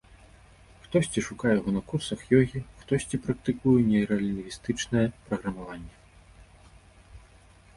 Хтосьці шукае яго на курсах ёгі, хтосьці практыкуе нейралінгвістычнае праграмаванне.